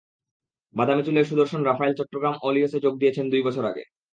বাদামি চুলের সুদর্শন রাফায়েল চট্টগ্রাম আলিয়ঁসে যোগ দিয়েছিলেন দুই বছর আগে।